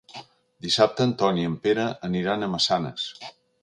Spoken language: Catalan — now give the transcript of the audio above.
Dissabte en Ton i en Pere aniran a Massanes.